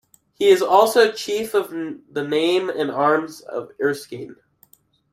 He is also Chief of the Name and Arms of Erskine.